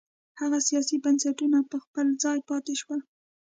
هغه سیاسي بنسټونه په خپل ځای پاتې شول.